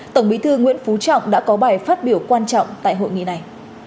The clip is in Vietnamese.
tổng bí thư nguyễn phú trọng đã có bài phát biểu quan trọng tại hội nghị này